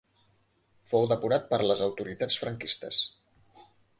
Fou depurat per les autoritats franquistes.